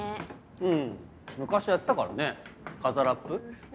うん昔やってたからねカザラップ。